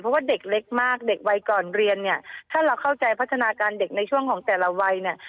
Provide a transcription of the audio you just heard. เพราะว่าเด็กเล็กมากเด็กวัยก่อนเรียนเนี่ยถ้าเราเข้าใจพัฒนาการเด็กในช่วงของแต่ละวัยเนี่ย